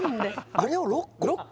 あれを６個？